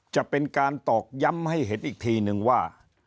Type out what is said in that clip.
จะเป็นการตอกย้ำให้เห็นอีกทีนึงว่า